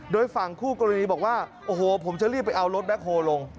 โดยฝั่งคู่กรณีบอกว่าโอ้โหผมจะรีบไปเอารถแบ็คโฮลง